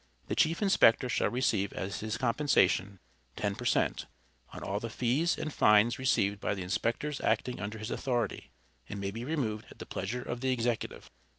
The chief inspector shall receive as his compensation, ten per cent, on all the fees and fines received by the inspectors acting under his authority, and may be removed at the pleasure of the executive.